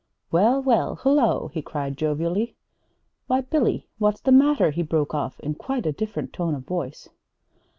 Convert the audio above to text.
"Well, well, hullo," he called jovially. "Why, Billy, what's the matter?" he broke off, in quite a different tone of voice.